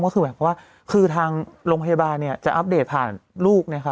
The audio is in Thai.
ก็คือแบบว่าคือทางโรงพยาบาลจะอัปเดตผ่านลูก